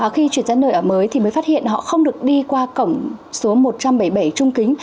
khi chuyển giá nợ ở mới thì mới phát hiện họ không được đi qua cổng một trăm bảy mươi bảy trung kính